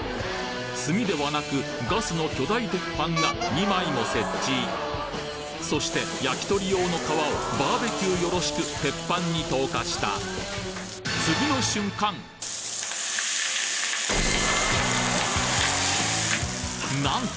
炭ではなくガスの巨大鉄板が２枚も設置そして焼き鳥用の皮をバーベキューよろしく鉄板に投下した何と！